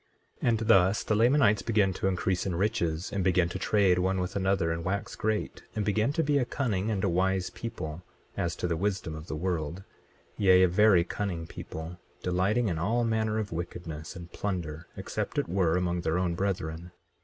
24:7 And thus the Lamanites began to increase in riches, and began to trade one with another and wax great, and began to be a cunning and a wise people, as to the wisdom of the world, yea, a very cunning people, delighting in all manner of wickedness and plunder, except it were among their own brethren.